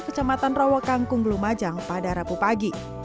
kecamatan rawakangkung lumajang pada rabu pagi